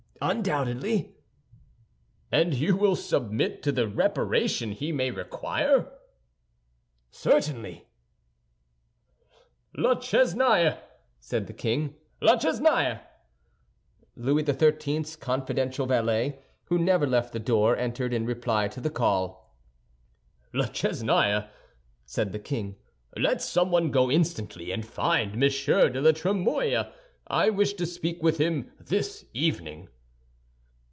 "Undoubtedly." "And you will submit to the reparation he may require?" "Certainly." "La Chesnaye," said the king. "La Chesnaye!" Louis XIII.'s confidential valet, who never left the door, entered in reply to the call. "La Chesnaye," said the king, "let someone go instantly and find Monsieur de la Trémouille; I wish to speak with him this evening."